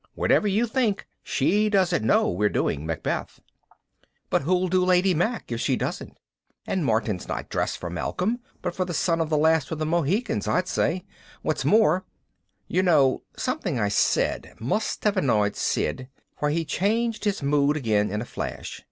Whatever you think, she doesn't know we're doing Macbeth. But who'll do Lady Mack if she doesn't? And Martin's not dressing for Malcolm, but for the Son of the Last of the Mohicans, I'd say. What's more " You know, something I said must have annoyed Sid, for he changed his mood again in a flash.